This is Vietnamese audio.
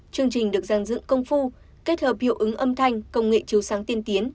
chương trình được giàn dựng công phu kết hợp hiệu ứng âm thanh công nghệ chiếu sáng tiên tiến